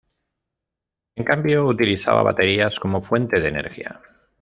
En cambio, utilizaba baterías como fuente de energía.